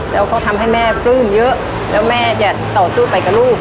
แล้วก็ทำให้แม่ปลื้มเยอะแล้วแม่จะต่อสู้ไปกับลูก